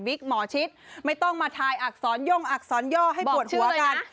หมอชิดไม่ต้องมาทายอักษรย่องอักษรย่อให้ปวดหัวกัน